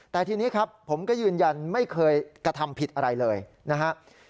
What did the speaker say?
แต่ทีนี้ครับผมก็ยืนยันไม่เคยกระทำผิดอะไรเลยนะครับ